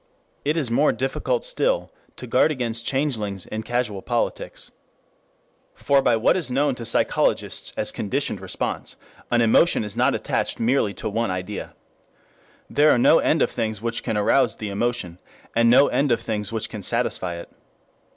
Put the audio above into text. It is more difficult still to guard against changelings in casual politics. For by what is known to psychologists as conditioned response, an emotion is not attached merely to one idea. There are no end of things which can arouse the emotion, and no end of things which can satisfy it.